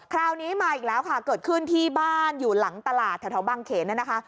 คราวนี้มาอีกแล้วค่ะเกิดขึ้นที่บ้านอยู่หลังตลาดแถวบางเขนเนี่ยนะคะ